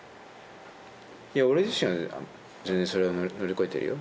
俺自身は全然それは乗り越えてるよ。